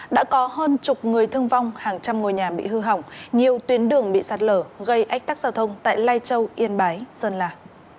đã có hơn chục người thương vong hàng trăm ngôi nhà bị hư hỏng nhiều tuyến đường bị sạt lở gây ách tắc giao thông tại lai châu yên bái sơn lạc